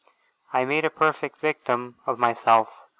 I made a perfect victim of myself.